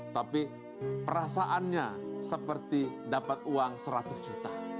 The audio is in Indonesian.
tapi perasaannya seperti dapat uang seratus juta